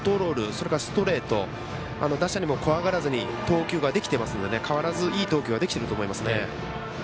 それからストレート打者にも怖がらずに投球ができていますので変わらず、いい投球ができてると思いますね。